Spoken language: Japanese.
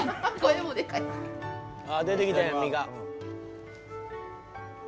ああ出てきたやん実が。